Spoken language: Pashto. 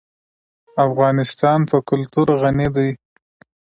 افغانستان په کلتور غني دی.